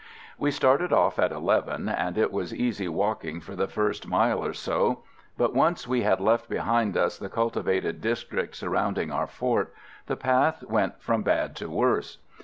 We started off at eleven, and it was easy walking for the first mile or so, but once we had left behind us the cultivated district surrounding our fort, the path went from bad to worse.